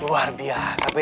luar biasa be